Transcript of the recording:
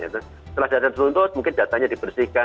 setelah data tertuntut mungkin datanya dibersihkan